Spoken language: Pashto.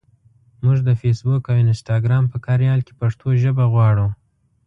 مونږ د فېسبوک او انسټګرام په کاریال کې پښتو ژبه غواړو.